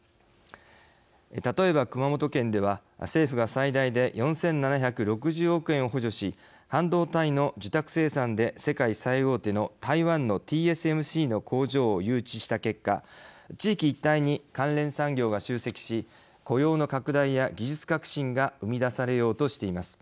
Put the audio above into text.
例えば、熊本県では政府が最大で４７６０億円を補助し半導体の受託生産で世界最大手の台湾のＴＳＭＣの工場を誘致した結果地域一帯に関連産業が集積し雇用の拡大や技術革新が生み出されようとしています。